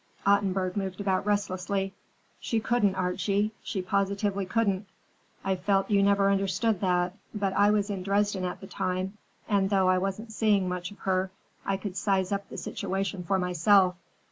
Ottenburg moved about restlessly. "She couldn't, Archie, she positively couldn't. I felt you never understood that, but I was in Dresden at the time, and though I wasn't seeing much of her, I could size up the situation for myself.